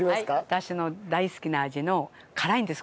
私の大好きな味の辛いんです